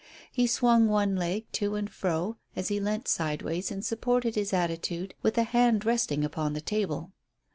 He swung one leg to and fro, as he leant sideways and supported his attitude with a hand resting upon the table.